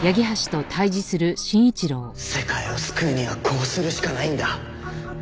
世界を救うにはこうするしかないんだ。